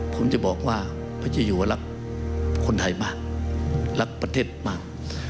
ผมจะบอกว่าปัจจุยัวรักคนไทยมากรักประเทศมาก